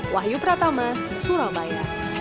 wahyu pratama surabaya